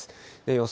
予想